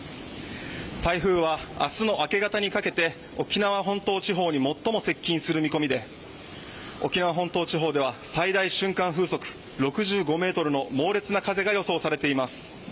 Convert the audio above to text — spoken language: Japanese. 台風は明日の明け方にかけて沖縄本島地方に最も接近する見込みで沖縄本島地方では最大瞬間風速６５メートルの猛烈な風が予想されています。